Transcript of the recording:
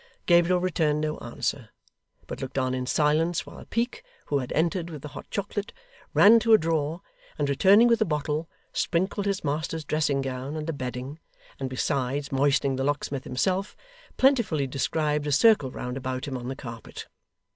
Gabriel returned no answer, but looked on in silence while Peak (who had entered with the hot chocolate) ran to a drawer, and returning with a bottle, sprinkled his master's dressing gown and the bedding; and besides moistening the locksmith himself, plentifully, described a circle round about him on the carpet.